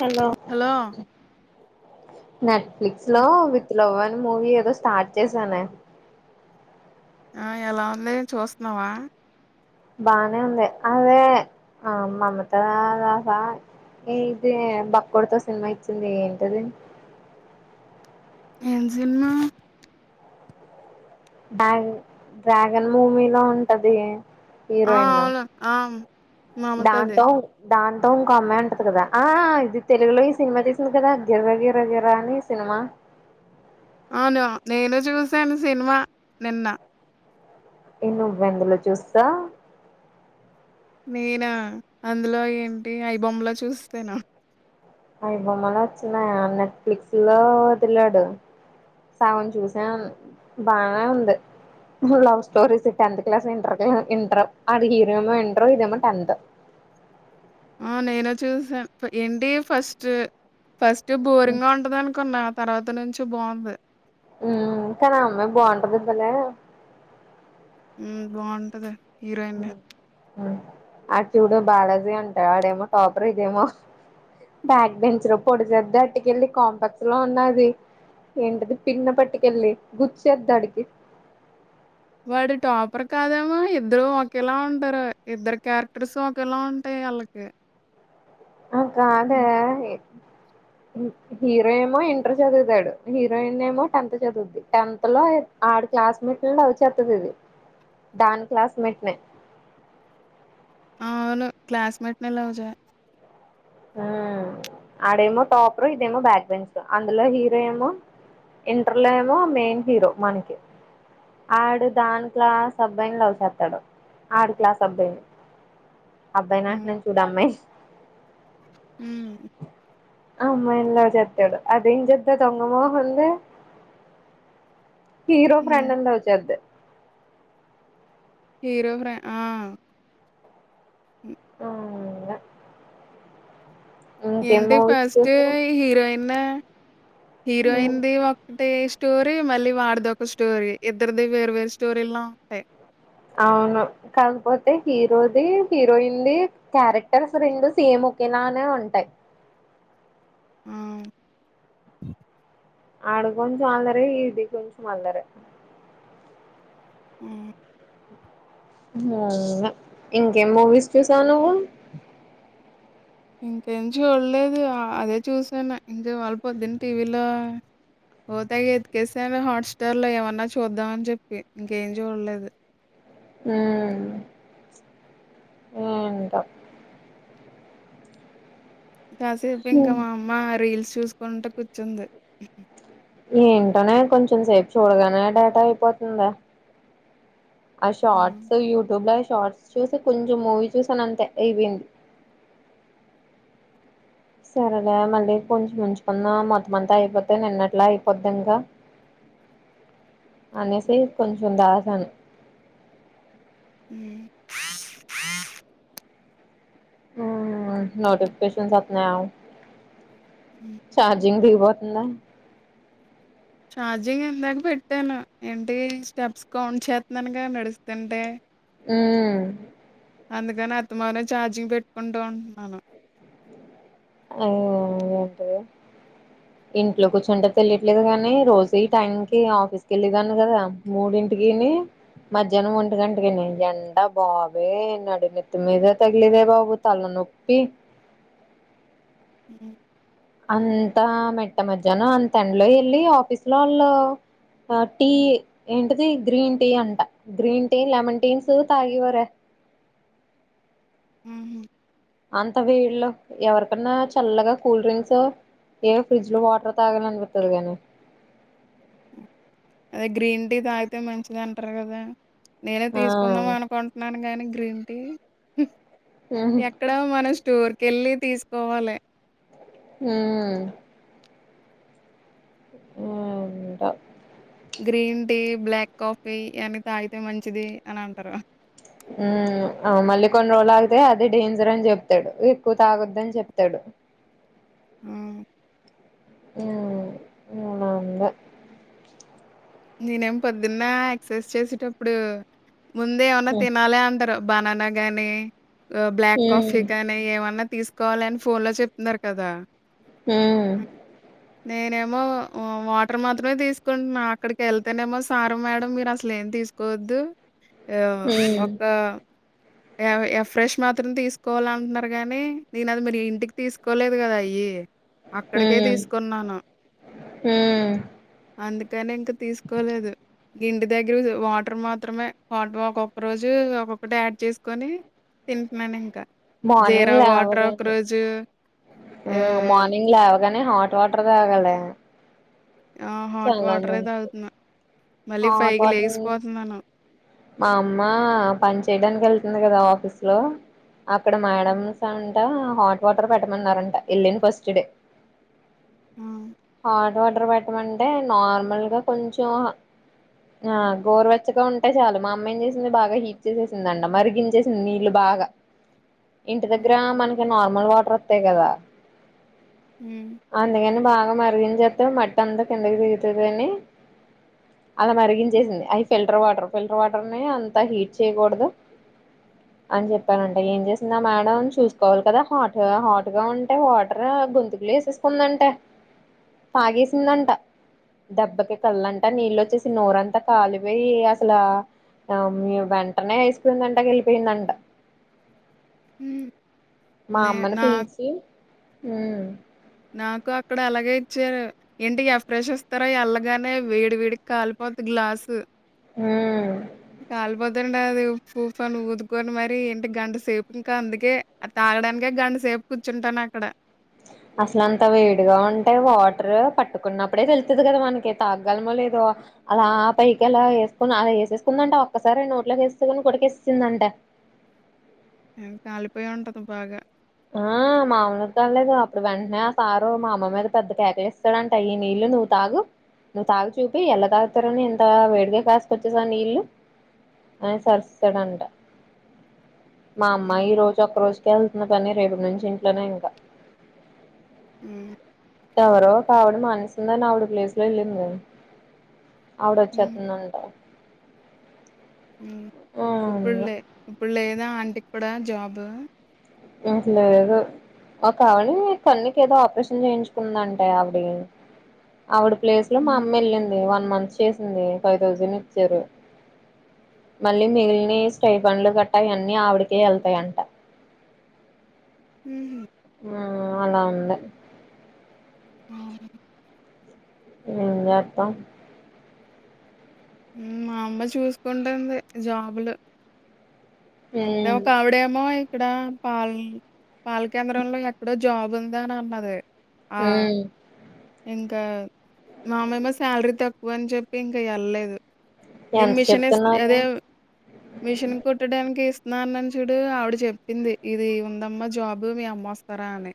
Hello Netflix లో with love అని movie ఏదో స్టార్ట్ చేశానె ఆ ఎలా ఉంది చూస్తున్నావా బానే ఉంది అదే ఆ మమత రాకా ఏ ఇదే బక్కోడ్తో సినిమా ఇచ్చింది ఏంటది ఏం సినిమా డ్రా డ్రాగన్ మూమీలో ఉంటది ఆ హీరోయిన్ అవును ఆ మమతది దాంతో దాంతో ఇంకో అమ్మాయి ఉంటది కదా ఆ ఇది తెలుగులో ఈ సినిమా తీసింది కదా గిరగిరగిరా అని సినిమా అవును నేను చూసాను సినిమా నిన్న ఎ నువ్ ఎందులో చూసావ్ నేనా అందులో ఏంటి అయి బొమ్మలో చూస్తేను అవి బొమ్మలో వచ్చినన్నాయా నెట్ఫ్లిక్స్ లో వదిలాడు సగం చూసాం బానే ఉంది లవ్ స్టోరీస్ టెన్త్ క్లాస్ ఇంటర్లా ఇంటర్ అదిేమో ఇంటర్ ఇదేమో టెన్త్ ఆ నేన చూసా ఏంటి ఫస్ట్ ఫస్ట్ త్ బోరింగ్ గా ఉంటందనుకున్నా తర్వాత నుంచి బాగుంది మ్ కానీ అమ్మాయి బాగుంటది కదా మ్ బాగుంటదే హీరోయిన్ని ఆడ్ చూడు బాలాజీ అంటా ఆడేమో టాపర్ ఇదేమో బ్యాక్ బెంచ్ లో పొడి చేది అటుకెళ్ళి కాంప్లెక్స్ లో ఉన్నది ఏంటది పిన్న పట్టుకెళ్ళి గుచ్చేద్దాడికి వాడు టాపర్ కాదేమో ఇద్దరు ఒకేలా ఉంటారు ఇద్దరి క్యారెక్టర్స్ ఒకేలా ఉంటాయ్ అళ్ళకి అ కాదే యి హీరో ఏమో ఇంటర్ చదువుతాడు హీరోయిన్ ఏమో టెన్త్ చదువుద్ది టెన్త్ లో ఆ ఆడు క్లాస్మేట్ని లవ్ చేత్తది ఇది దాని క్లాస్మేట్ నే ఆ అవును క్లాస్మేట్ నే లావ్ జా హుమ్ ఆడేమో టాప్ ర్ ఇదేమో బ్యాక్ బెన్ంచ అందులో హీరో ఏమో ఇంటర్లో ఏమో మెయిన్ హీరో మనకి ఆడు దాని క్లాస్ అబ్బాయిని చేేస్తాడు ఆడు క్లాస్ అబ్బాయిని అబ్బాయ్ చే నంటున్నాను చూడ అమ్మాయ్ న్ మ్ అమ్మయి ని లవ్ చెత్తడు అదిేం చెతద్ దొంగమొహంది హీరో ఫ్రెండ్ హ్మ్. ని లవ్ చేద్దే హీరో ఫ్రె ఆ అవు ఏంటి ఫస్ట్ చూసావు హీరోయిన్ ఉమ్ హీరోయిన్ ది ఒక్కటేస్ స్టోరీ మళ్ళీ వాడిది ఒక స్టోరీ ఇద్దరిది వేరువేరు స్టోరీలా ఉంటాయి అవును కాకపోతే హీరోది హీరోయిన్ ది క్యారెక్టర్స్ రెండు సేమ్ ఒకేలానే ఉంటాయి ఆ ఆడు కొంచెం అల్లరి ఇది కొంచెం అల్లరే ఆ మ్ ఇంకేం మూవీస్ చూసావ్ నువ్వు ఇంకెం చుల్లేదు అదే చూసాను ఇంకి వాళ్ళపోదున టీవీలో పోఓతేగ ఎతికేస్తాను హాట్స్టార్ లో ఏమన్నా చూద్దామని చెప్పి ఇంకేం చూడలేదు మ్ ఏేంటో కాసేపు ఇంకా మా అమ్మ రీల్స్ చూసుకుంట కూర్చుంది ఏంటోనే కొంచెం సేపు చూడగానే డేటా అయిపోతుందా ఆ శషోట్స్ యుట్యూబ్లై షార్ట్స్ చూసి కొంచెం మూవీ చూసనంతె అయిపోంది సరేగా మళ్ళీ కొంచెం ముంచుకుంద మొత్తం అంతా అయిపోద్ నిన్నట్లా అయిపోాదన్ గ అన్నసే కొంచం దాసను మ్ నోటిఫికషన్స్ వస్తున్నాయా హ్మ్. చార్జింగ్ ది పోతుందా ార్జింగ్ ఇందాక పెట్టాను ఏంటి స్టెప్స్ కౌంట్ చేస్తున్నానుగాద నడుస్తుంటే మ్ అందుకని అత్తమనం ఛార్జింగ్ పెట్టుకుంటూ ఉంటున్నాను అం ఇంట్లో కూర్చుంటే తెలియట్లేదు కాని రోజు ఈ టైం కి ఆఫీస్ కేళ్ళేదాన్ని కదా మూడిన్ అంటికిని మధ్యాహ్నం ఒంటి గంటకి ని ఎండ బాబోయ్ నడి నెతిమీదే తగిలేదే బాబు తల్ నొప్పి హ్మ్మ్ అంతా మెట్ట మధ్యన అంత ఎండలో వెళ్ళలి ఆఫీస్ లో వాళ్ళు ఆ టీ ఏంటిది గ్రీన్ టీ అంట గ్రీన్ టీ లెమన్ టీ అని తాగివారే హ్మ్మ్ అంత వీళ్లో ఎవరికన్నా చల్లగా కూల్ డ్రింక్సో ఏవో ఫ్రిడ్జ్ లో వాటర్ తాగాలనిపితది గానీ అదే గ్రీన్ టీ తాగితే మంచిది అంటారు కదా నేనే ఆ తీసుకుందాం అనుకుంటున్నాను గాని గ్రీన్ టీ ఉహు ఎక్కడ మన టోర్ కేళ్ళి తీసుకోవాలి హ్మ్మ్ ఓ ఉంటా గ్రీన్ టీ బ్లాక్ కాఫీ ఇవన్న తాగితే మంచిది అని అంటార హ్మ్మ్ మళ్ళీ కొన్ని రోజులు ఆగితే అది డేంజర్ అని చెప్తాడు ఎక్కువ తాగద్ద అని చెప్తాడు హ్మ్మ్ నునాంగా నేనేం పొద్దున్న ఎక్సర్సైజ్ చేసేటప్పుడు ముందే ఏమన్నా ఉమ్ తిన్యాలి అంటారు బనానా గానీ బ్లాక్ కాఫీ ఉమ్ కానీ ఏమన్నా తీసుకోవాలి అని ఫోన్ లో చెప్తున్నారు కదా హ్మ్మ్ హ్మ్. నేనేమో వాటర్ మాత్రమే తీసుకుంటున్నా అక్కడికి వెళ్తేనేమో సారు మేడం మీరు అసలే ఏం తీసుకోవద్దు ఒక అ యఅవి అవి ఫ్రెష్ మాత్రం తీసుకోవాలంటున్నారు గానీ నేను అది మీరి ఇంటికి తీసుకోలేదు‌గదా అయి అక్కడికే ఉమ్ తీసుకున్నాను ఉమ్ అందుకే తీసుకోలేదు గింటి దగ్గర వాటర్ మాత్రమే వాటర్ ఒక్కొక్క రోజు ఒక్కొక్కటి యాడ్ చేసుకొని తింట్ట్ననింకా మార్నింగ్ లేవగా ఏ మార్నింగ్ లేవగ హాట్ వాటర్ దగాలి ఆ హాట్ వాటర్ ఏం హే తాగుతున్నా మళ్ళీ హాట్ ఫైవ్కి వాటర్ ని లెగిసిపోతున్నాను మా అమ్మా పని చేయడానికి ఎళ్తు ఉంది కదా ఆఫీస్ లో అక్కడ మేడస్ అ టి హాట్ వాటర్ పెట్టమన్నారంట ఎళ్ళిన ఫస్ట్ డే ఆ హాట్ వాటర్ పెట్టమంటే నార్మల్ గా కొంచెం ఆ గోరువెచ్చగా ఉంటే చాలు మా అమ్మయి ఏం చేసింది బాగా హీట్ చేసేసింది మరిగించేసింది నీళ్లు బాగా ఇంటి హ్మ్ దగ్గర మనకి నార్మల్ వాటర్ వస్తాయి గదా హ్మ్ అంద్ గని బాగా మరిగించత్త మట్ట అంతా కిందకి తీరుగుతుందిని అలా హ్మ్. మరిగించేసింది అది ఫిల్టర్ వాటర్ ఫిల్టర్ వాటర్ ని అంత హీట్ చేయకూడదు అని చెప్పనంట ఏం చేస్తుందా మేడం చూసుకోవాలి కదా హాట్ హాట్ గా ఉంటే వాటర్ గొంతుకు సేసుకుందంటా పాగేసిందంటా దెబ్బకి కళ్ళంటా నీళ్ళొ వచ్చేసి నోరంతా కాలిపోయి అసలు ఆ మీ వెంటనే ఐస్క్రీమ్ందంట కెలిపోయిందంట హ్మ్మ్ మా అమ్మని పీల్చి నాకు అక్కడ అలాగే ఇచ్చారు ఇంటికి ఎ ఫ్రెష్ వస్తారా అల్లగానే వేడి వేడికి కాలిపో పోతి గ్లాసు ఉమ్ కాలిపోత్ ఉండాది అది పూఫని ఊదుకొని మరి ఏంటి గంట సేపు ఇకా అందుకే అ తాగడానికే గంట సేపు కూర్చుంటాను అక్కడ అసలు అంత వేడిగా ఉంటే వాటర్ పట్టుకున్నప్పుడే తెలుతుంది కదా మనకి తాగలమో లేదో అలా పైకి అలా వేసుకుని అలా వేసేసుకుందంట ఒక్కసారి నోట్లకి వేసుకొని కొకేస్తుందంట కాలిపోయా ఉంటదు బాగా ఆ మామలు కాలలేదు అప్పుడు వెంటనే ఆ సారు మా అమ్మ మీద పెద్ద కేకలు ఇస్తాడంటయయి నీళ్లు నువ్వు తాగు నువ్వు తాగు చూపి ఎలా తాగుతారుని ఎంత వేడిగా కాసుకొచ్చేసా నీళ్లు అ [unintelligible] మా అమ్మా ఈ రోజు ఒక్క రోజుక వెళ్తున్నని రేపు నుంచి ఇంట్లోనే ఇంకా హ్మ్. ఎవరు ఇ ఆవిడ మానిస్తుందని ఆవిడ ప్లేస్ లో వెళ్ళింది ఆవిడ హ్మ్. వచ్చేస్తుందంట ఆ, ఇప్పుడు లే ఇప్పుడు లేదా ఆంటికి కూడా జాబ్ ఇంకా లెధు కావడి కన్నకి ఏదో ఆపరేషన్ చేయించుకుందంటే ఆవిడ ఆవిడ ప్లేస్ లో మా హ్మ్. అమ్మ వెళ్ళింది వన్ మంత్ చేసింది ఫైవ్ థౌజండ్ ఇచ్చారు మళ్ళీ మిగిలిని స్టైఫన్లు గట్టా అవన్నీ ఆవిడకే వెళ్తాయంట హ అలా ఉంది ఆ ఎన్ చెథామ్ మా అమ్బ చూసుకుంటుంది జాబులు ఎక్కడే ఉమ్ ఆవిడేమో ఇక్కడ పాల్ పాల కేంద్రంలో ఎక్కడో జబ్ంద అన్నది ఆ ఉమ్ ఇంకా మామయ మా శాలరీ తక్కువ అని చెప్పి ఇంకా వెళ్ళలేదు నన్ ఎంత మిషన్ చెప్తున్నారు అదే మిషిన్ కొట్టడానికినికి ఇస్తున్నాన్నని చూడు ఆవిడ చెప్పింది ఇది ఉందమ్మ జాబ్ మీ అమ్మ వస్తారా అని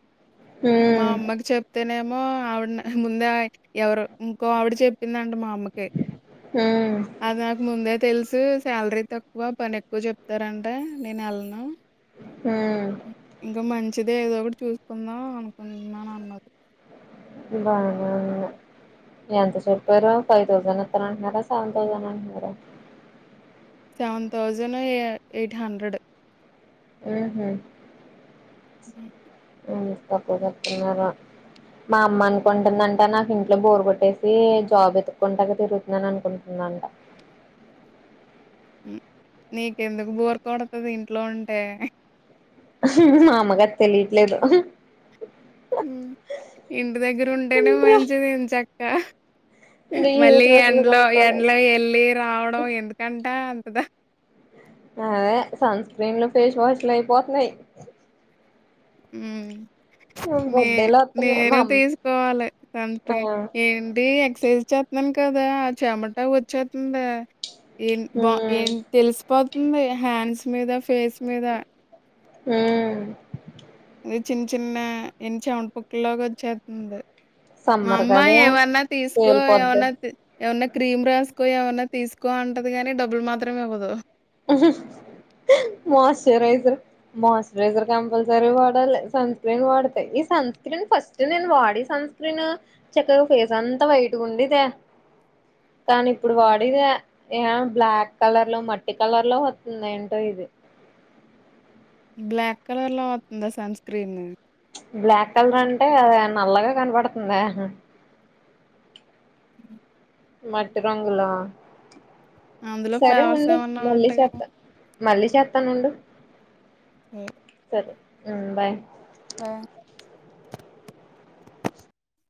మా ఉమ్ అమ్మకి చెప్తేనే మో ఆవిడ ముంద ఎవరు ఇంకో ఆవిడ చెప్పిందంటడి మా ఉమ్ అది నాకు ముందే తెలుసు శాలరీ తక్కువ పని ఎక్కువ చెప్ చెస్తారంటే నేను వెళ్ళనా ఉమ్ ఇంకా మంచి మచ్చిదే ఏదో ఒకటి చూసుకుందాం అనుకుంటున్నాని అన్నది [unintelligible] ఎంత చరిపోరు ఫైవ్ థౌసండ్ వస్తార అంటున్నారా సెవెన్ థౌసండ్ అంటున్నారా సెవెన్ థౌజండ్ ఎయిట్ హండ్రెడ్ ఉమ్ [unintelligible] మా అమ్మ అనుకుంటుందంట నాకు ఇంట్లో బోరు కొట్టేసి జాబ్ ఎతుక్కుంటాక తిరుగుతున్నాను అనుకుంటుందంట నీకెందుకు బోరు కొడతుంది ఇంట్లో ఉంటే మా అమ్మకి తెలియట్లేదు ఇంటి దగ్గర ఉంటేనే ఇంట్రెస్ట్ మంచిది ఏం చక్క ఇంకా మళ్ళీ ఏడు రోజులు ఎంలో కొనుక్కోవడానికి ఎంలో వెళ్ళి రావడం ఎందుకంట అంతదా అదే సన్ స్క్రీన్లు ఫేస్ వాష్లు అయిపోతున్నాయి ఉ నే బొడ్డేలు వస్తున్నాయి మా నేను అమ్ తీసుకోవాలి సంత ఆ ఏంటి ఎక్ససైజ్ వచ్చేస్తున్నాను కదా చెమటా వచ్చేతుందా ఏం బా ఉమ్ ఏం తెలిసిపోతుంది హ్యాండ్స్ మీద ఫేస్ మీద ఉమ్ అది చిన్న చిన్న ఇన్ని చెవ పక్కలోగా వచ్చేస్తుంది మా సమ్మర్ అమ్మ కదా ఏమన్నా తీసుకో పేలిపోద్ది ఏమన్నా ఏమన్నా క్రీమ్ రాసు ఎక్కు ఎవైనా తీసుకో అంటది కాగానీ డబ్బులు మాత్రమే ఇవ్వదు హ్మ్ హు మాయిశ్చరైజర్ మాయిశ్చరైజర్ కంపల్సరీ వాడాలి సన్ స్క్రీన్ వాడితే ఈ సన్ సన్ స్క్రీన్ ఫస్ట్ నేను వాడే సన్ స్క్రీన్ చక్కగా ఫేస్ అంతా వైట్ ఉండేదే కానీ ఇప్పుడు వాడేదా ఏ బ్లాక్ కలర్ లో మట్ ఈ కలర్ లో వతుందో ఏంటో ఇది బ్లాక్ కలర్ లో అవుతుందా సన్ స్క్రీన్ బ్లాక్ కలర్ అంటే అదే నల్లగా కనపడుతుందా అ మట్టిరంగులా అందులో సరే ఫ్లేవర్స్ ఉండు ఏమన్నా మళ్ళీ ఉంటాయేమో చేతా మళ్ళీ చేతాను ఉండు ఆ హ్మ్ బాయ్ బాయ్